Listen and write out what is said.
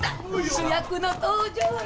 主役の登場や。